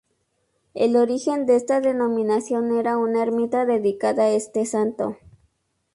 El origen de esta denominación era una ermita dedicada a este santo.